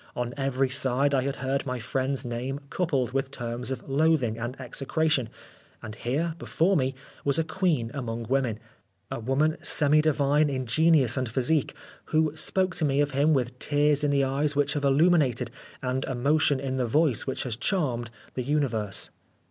On every side I had heard my friend's name coupled with terms of loathing and execration, and here, before me, was a queen among women, a woman semi divine in genius and physique, who spoke to me of him with tears in the eyes which have illuminated, and emotion in the voice which has charmed the universe.